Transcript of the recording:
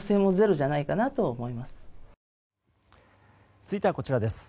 続いては、こちらです。